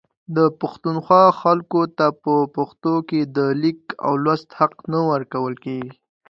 د پښتونخوا خلکو ته په پښتو د لیک او لوست حق نه ورکول کیږي